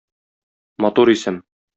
Матур исем...